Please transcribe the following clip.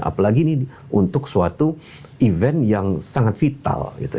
apalagi ini untuk suatu event yang sangat vital gitu